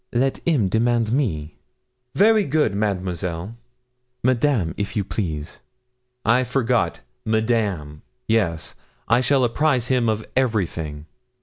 Let him demand me.' 'Very good, Mademoiselle.' 'Madame, if you please.' 'I forgot Madame yes, I shall apprise him of everything.'